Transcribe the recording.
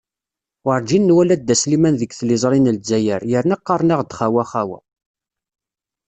Werǧin nwala dda Sliman deg tiliẓri n Lezzayer, yerna qqaren-aɣ-d "xawa-xawa"!